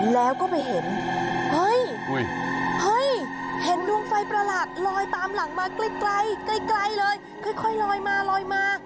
แล้วก็ไปเห็นเฮ้ยเห็นดวงไฟประหลาดลอยตามหลังมาไกลไกลเลยค่อยลอยมาลอยมา